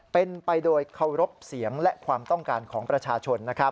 เป็นไปโดยเคารพเสียงและความต้องการของประชาชน